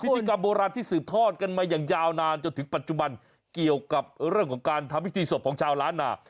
พิธีกรรมโบราณที่สืบทอดกันมาอย่างยาวนานจนถึงปัจจุบันเกี่ยวกับเรื่องของการทำพิธีศพของชาวล้านนา